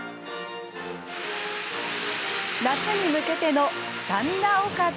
夏に向けてのスタミナおかず。